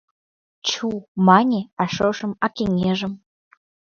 — Чу, — мане, — а шошым, а кеҥежым?